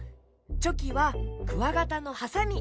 チョキはクワガタのはさみ！